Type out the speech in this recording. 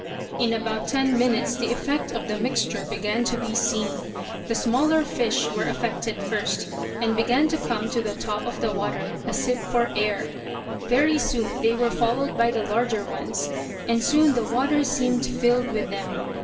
In about ten minutes the effect of the mixture began to be seen. The smaller fish were affected first, and began to come to the top of the water, as if for air. Very soon they were followed by the larger ones, and soon the water seemed filled with them.